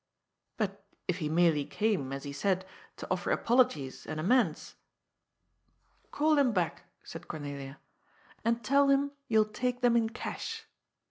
'' But if he merely came, as he said, to offer apologies and amends —"" Call him back," said Cornelia, " and tell him you will take them in cash."